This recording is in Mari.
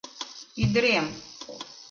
Ӱдырем!